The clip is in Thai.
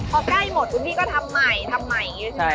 พอใกล้หมดคุณพี่ก็ทำใหม่ทำใหม่อย่างนี้ใช่ไหม